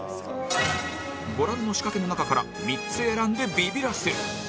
ご覧の仕掛けの中から３つ選んでビビらせる